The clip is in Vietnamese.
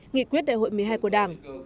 nghị quyết đại hội một mươi hai của đảng